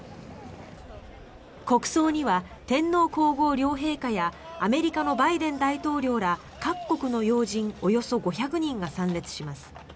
国葬には天皇・皇后両陛下やアメリカのバイデン大統領ら各国の要人およそ５００人が参列します。